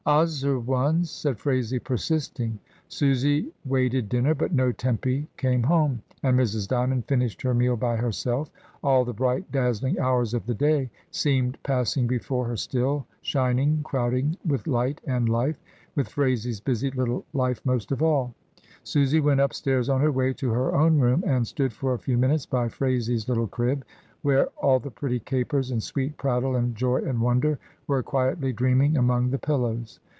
"Ozzer ones," said Phraisie, persisting. Susy waited dinner, but no Tempy came home, and Mrs. Dymond finished her meal by hersel£ All the bright, dazzling hours of the day seemed pass ing before her still, shining, crowding with light and life — with Phraisie's busy little life most of all. Susy UNDER THE CEDAR TREES. 287 went upstairs on her way to her own room, and stood for a few minutes by Phraisie's little crib, where all the pretty capers and sweet prattle and joy and wonder were quietly dreaming among the pillows.